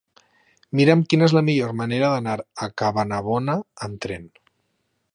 Mira'm quina és la millor manera d'anar a Cabanabona amb tren.